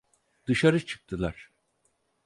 Dışarı çıktılar.